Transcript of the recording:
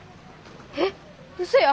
えっうそや！